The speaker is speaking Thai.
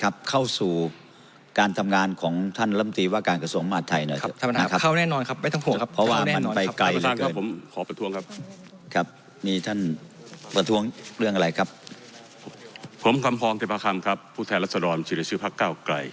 ผมคำพองที่พระคังครับผู้แทนรัศดรมชื่อชื่อชื่อภักด์เก้าไกร